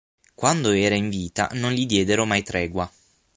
Quando era in vita non gli diedero mai tregua.